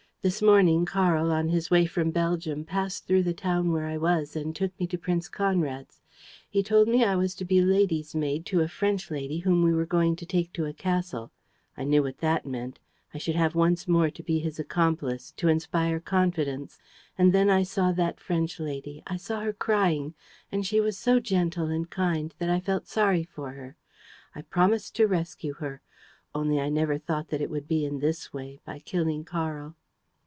This morning, Karl, on his way from Belgium, passed through the town where I was and took me to Prince Conrad's. He told me I was to be lady's maid to a French lady whom we were going to take to a castle. I knew what that meant. I should once more have to be his accomplice, to inspire confidence. And then I saw that French lady, I saw her crying; and she was so gentle and kind that I felt sorry for her. I promised to rescue her ... Only, I never thought that it would be in this way, by killing Karl.